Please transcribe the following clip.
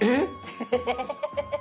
エヘヘヘヘ。